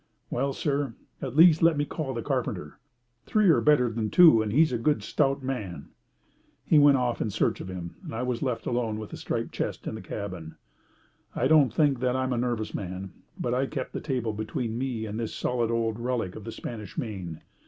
"Well, sir, at least let me call the carpenter. Three are better than two, and he is a good stout man." He went off in search of him, and I was left alone with the striped chest in the cabin. I don't think that I'm a nervous man, but I kept the table between me and this solid old relic of the Spanish Main.